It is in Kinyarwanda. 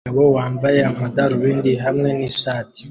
Umugabo wambaye amadarubindi hamwe nishati